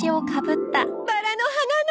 バラの花の。